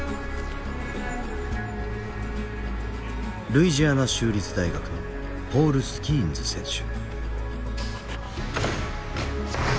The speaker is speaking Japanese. ルイジアナ州立大学のポール・スキーンズ選手。